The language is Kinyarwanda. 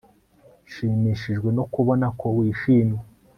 Nshimishijwe no kubona ko wishimye